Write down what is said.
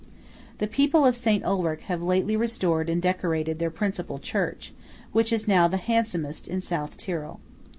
The people of St. Ulrich have lately restored and decorated their principal church, which is now the handsomest in South Tyrol.